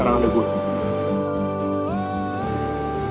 gak peduli lagi sama siapa